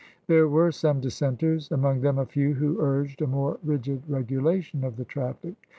There were some dissenters, among them a few who urged a more rigid regulation of the traffic.